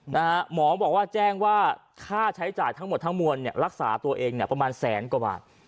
หมอบอกว่าแจ้งว่าค่าใช้จ่ายทั้งหมดทั้งมวลเนี่ยรักษาตัวเองเนี่ยประมาณแสนกว่าบาท